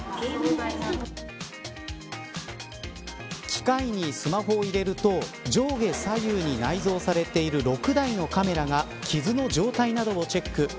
機械にスマホを入れると上下左右に内蔵されている６台のカメラが傷の状態などをチェック。